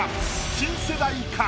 新世代か？